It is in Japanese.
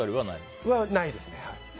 ないですね。